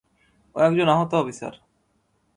ও একজন আহত অফিসার।